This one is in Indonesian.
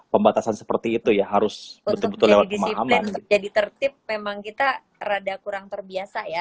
pembatasan seperti itu ya harus betul betul lebih disiplin jadi tertib memang kita rada kurang terbiasa ya